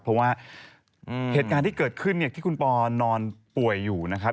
เพราะว่าเหตุการณ์ที่เกิดขึ้นเนี่ยที่คุณปอนอนป่วยอยู่นะครับ